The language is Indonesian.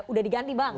udah diganti bang